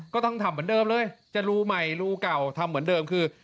ก็ต้องทำเหมือนเดิมเลยจะรูใหม่รูเก่าทำเหมือนเดิมคือ